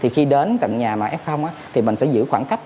khi đến tận nhà f mình sẽ giữ khoảng cách